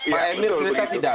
pak emir cerita tidak